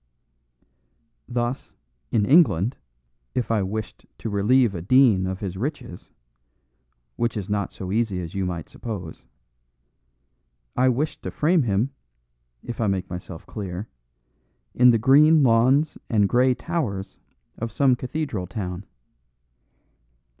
Thus, in England, if I wished to relieve a dean of his riches (which is not so easy as you might suppose), I wished to frame him, if I make myself clear, in the green lawns and grey towers of some cathedral town.